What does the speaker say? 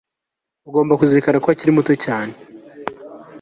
ugomba kuzirikana ko akiri muto cyane